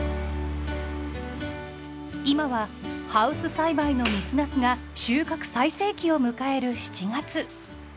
今はハウス栽培の水ナスが収穫最盛期を迎える７月。